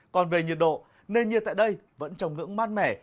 còn về nhiệt độ nơi nhiệt tại đây vẫn trồng ngưỡng mát mẻ